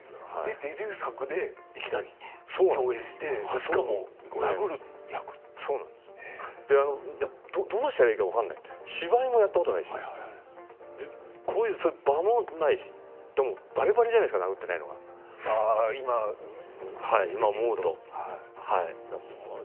デビュー作で共演してどうしたらいいから分からない芝居もやったことがないしそういう場もないしでもばりばりじゃないですか殴るなんて、今思うとね。